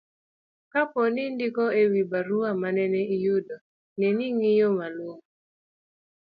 kapo ni indiko e wi barua manene iyudo, ne ni ing'iyo malong'o